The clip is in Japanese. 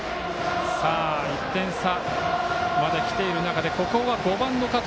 １点差まできている中でここは５番の加藤。